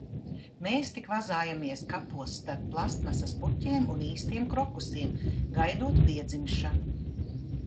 Mēs tik vazājamies kapos starp plastmasas puķēm un īstiem krokusiem, gaidot piedzimšanu.